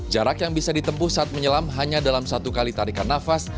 jarak yang bisa ditempuh saat menyelam hanya dalam satu kali tarikan nafas